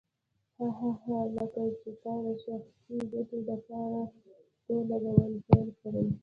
هه هه هه لکه چې تا د شخصي ګټې دپاره تور لګول پيل کړه.